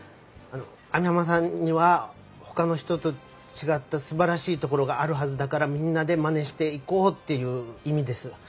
網浜さんにはほかの人と違ったすばらしいところがあるはずだからみんなでまねしていこうっていう意味です。